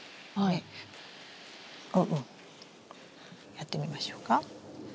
やってみましょうか？